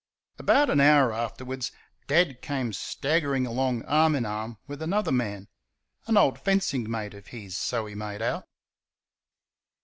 About an hour afterwards Dad came staggering along arm in arm with another man an old fencing mate of his, so he made out.